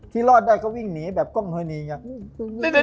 ที่รอดได้ก็วิ่งหนีแบบกล้องเฮอร์นีไง